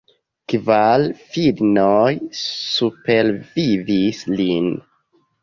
Kvar filinoj supervivis lin.